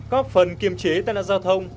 có phần kiềm chế tai nạn giao thông